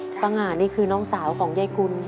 ป้าง่านี่คือน้องสาวกองเย้ยกุล